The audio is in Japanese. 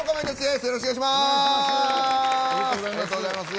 よろしくお願いします。